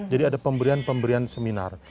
jadi ada pemberian pemberian seminar